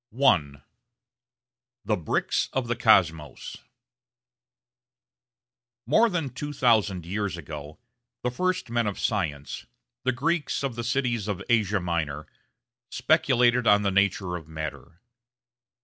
§ 1 The Bricks of the Cosmos More than two thousand years ago the first men of science, the Greeks of the cities of Asia Minor, speculated on the nature of matter.